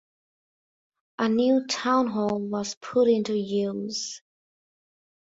A new town hall was put into use.